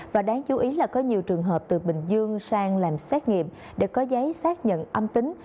và đáng chú ý là có nhiều trường hợp từ bình dương sang làm xét nghiệm để có giấy xác nhận âm tính